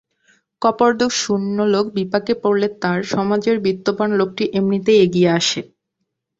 কপর্দকশূন্য লোক বিপাকে পড়লে তার সমাজের বিত্তবান লোকটি এমনিতেই এগিয়ে আসে।